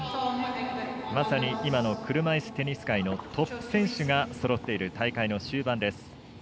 まさに今の車いすテニス界のトップ選手がそろっている大会の終盤です。